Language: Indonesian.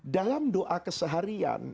dalam doa keseharian